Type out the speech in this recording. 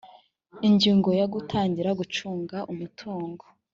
ingingo ya gutangira gucunga umutungo